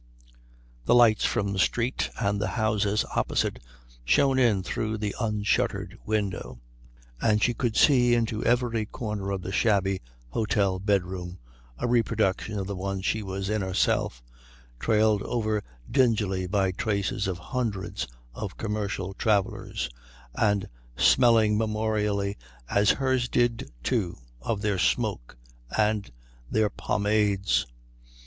The lights from the street and the houses opposite shone in through the unshuttered window, and she could see into every corner of the shabby hôtel bedroom, a reproduction of the one she was in herself, trailed over dingily by traces of hundreds of commercial travellers and smelling memorially, as hers did, too, of their smoke and their pomades.